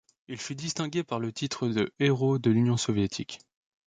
Il fut distingué par le titre de Héros de l'Union soviétique.